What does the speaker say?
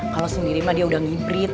kalau sendiri mah dia udah ngibrit